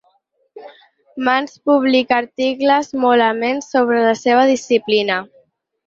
Mans publica articles molt amens sobre la seva disciplina.